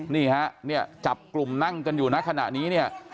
นี่ฮะจับกลุ่มนั่งกันอยู่ณขณะนี้